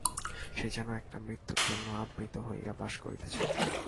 সে যেন একটা মৃত্যুর মধ্যে আবৃত হইয়া বাস করিতেছে।